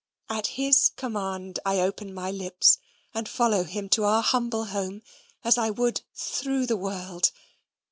At his COMMAND I open my lips, and follow him to our humble home, as I would THROUGH THE WORLD.